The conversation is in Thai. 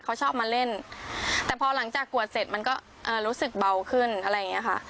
เขาชอบมาเล่นแต่พอหลังจากกวดเสร็จมันก็รู้สึกเบาขึ้นอะไรอย่างเงี้ยค่ะ